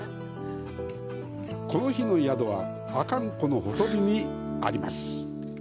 この日の宿は阿寒湖のほとりにあります。